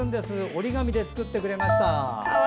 折り紙で作ってくれました。